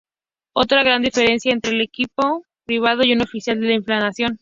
Otra gran diferencia entre un equipo privado y un oficial es la financiación.